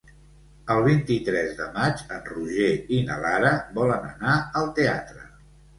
El vint-i-tres de maig en Roger i na Lara volen anar al teatre.